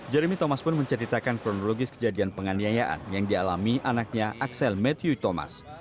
jeremy thomas pun menceritakan kronologis kejadian penganiayaan yang dialami anaknya axel matthew thomas